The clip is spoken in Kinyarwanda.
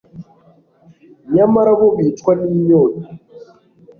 nyamara bo bicwa n'inyota